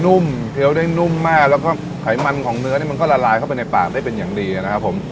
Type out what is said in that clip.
ุ่มเคี้ยวได้นุ่มมากแล้วก็ไขมันของเนื้อนี่มันก็ละลายเข้าไปในปากได้เป็นอย่างดีนะครับผม